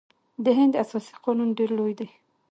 د هند اساسي قانون ډیر لوی دی.